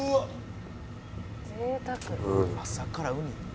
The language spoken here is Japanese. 「贅沢」「朝からウニ」